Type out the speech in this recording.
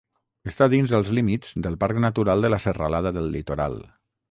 Està dins els límits del Parc Natural de la Serralada del Litoral.